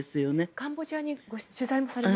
カンボジアに取材もされましたよね。